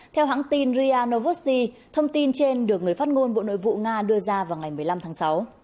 theo hãng tin riaan novosti thông tin trên được người phát ngôn bộ nội vụ nga đưa ra vào ngày một mươi năm tháng sáu